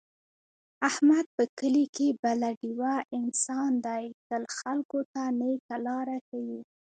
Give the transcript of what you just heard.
احمد په کلي کې بله ډېوه انسان دی، تل خلکو ته نېکه لاره ښي.